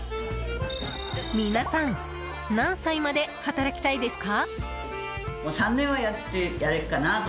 皆さん何歳まで働きたいですか？